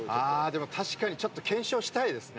でも、確かにちょっと検証したいですね。